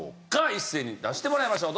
一斉に出してもらいましょう。